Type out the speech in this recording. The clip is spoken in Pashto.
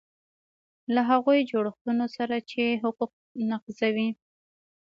له هغو جوړښتونو سره چې حقوق نقضوي.